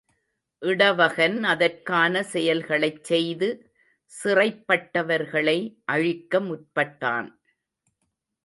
இடவகன் அதற்கான செயல்களைச் செய்து சிறைப்பட்டவர்களை அழிக்க முற்பட்டான்.